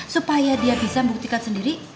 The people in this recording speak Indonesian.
supaya dia bisa membuktikan sendiri